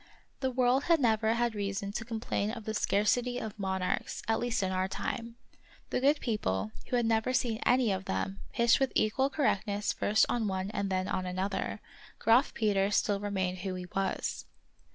The world has never had reason to complain of the scarcity of monarchs, at least in our time. The good people, who had never seen any of them, pitched with equal cor rectness first on one and then on another; Graf Peter still remained who he was.